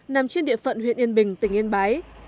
nằm trên địa phận huyện yên bình tỉnh yên bái